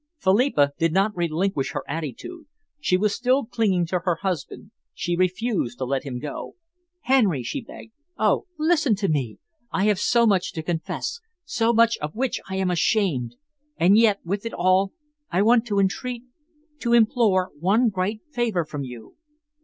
Philippa did not relinquish her attitude. She was still clinging to her husband. She refused to let him go. "Henry," she begged, "oh, listen to me! I have so much to confess, so much of which I am ashamed! And yet, with it all, I want to entreat to implore one great favour from you."